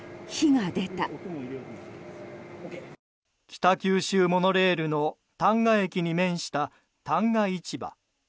北九州モノレールの旦過駅に面した旦過市場。